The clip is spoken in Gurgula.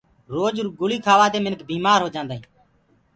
روج گُݪي کهآوآ دي منک بيمآر هوجآندو هي۔